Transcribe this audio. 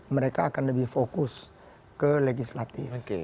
mereka akan lebih fokus ke legislatif